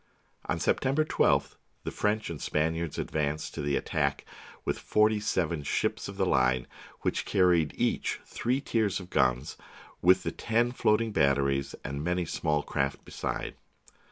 On September 12th the French and Spaniards advanced to the attack with forty seven ships of the line, which carried each three tiers of guns, with the ten floating batteries, and many small craft beside.